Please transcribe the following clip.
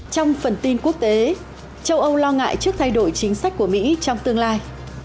trong phần tin quốc tế châu âu lo ngại trước thay đổi chính sách của mỹ trong tương lai